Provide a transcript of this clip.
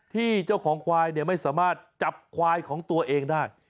ที่เจ้าของควายไม่สามารถจับควายของตัวเองได้